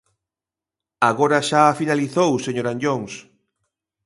Agora xa finalizou, señor Anllóns.